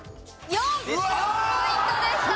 ４ポイントでした。